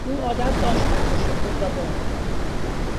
او عادت داشت که انگشت خود را بمکد.